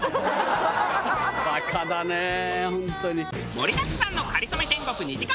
盛りだくさんの『かりそめ天国』２時間